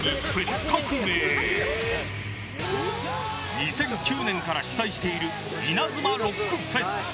２００９年から主催しているイナズマロックフェス。